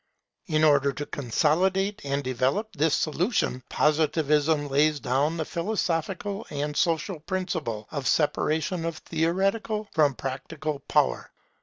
In order to consolidate and develop this solution, Positivism lays down the philosophical and social principle of separation of theoretical from practical power.